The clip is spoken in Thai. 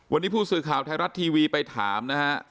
วันนี้ผู้สื่อข่าวไทยรัฐทีวีไปถามนะฮะ